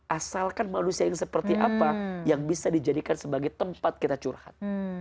asalkan manusia yang seperti apa yang bisa dijadikan sebagai tempat kita curhat